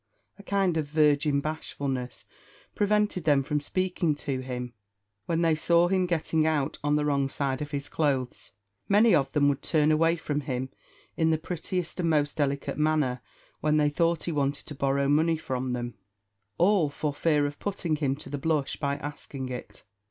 A kind of virgin bashfulness prevented them from speaking to him when they saw him getting out on the wrong side of his clothes. Many of them would turn away from him in the prettiest and most delicate manner when they thought he wanted to borrow money from them all for fear of putting him to the blush by asking it.